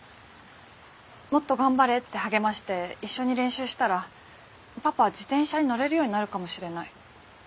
もっと頑張れって励まして一緒に練習したらパパ自転車に乗れるようになるかもしれない。